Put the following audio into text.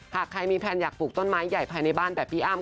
หากใครมีแพลนอยากปลูกต้นไม้ใหญ่ภายในบ้านแบบพี่อ้ำ